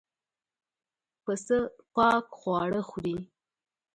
پسه پاک خواړه خوري.